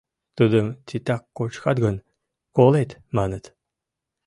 Тудым титак кочкат гын, колет, маныт.